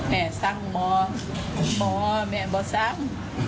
แหมสร้างมอมอแหมเบาสร้าง